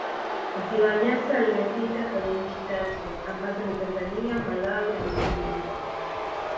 ziwa nyasa limepita kwenye nchi tatu ambazo ni tanzania malawi na msumbiji